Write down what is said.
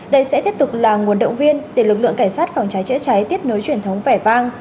đây sẽ tiếp tục là nguồn động viên để lực lượng cảnh sát phòng cháy chữa cháy tiếp nối truyền thống vẻ vang